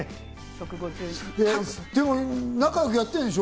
でも、仲良くやってんでしょ？